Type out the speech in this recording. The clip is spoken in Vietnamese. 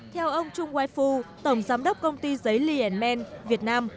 theo ông trung wai phu tổng giám đốc công ty giấy lee men việt nam